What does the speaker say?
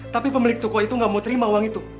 tapi pemilik toko itu nggak mau terima uang itu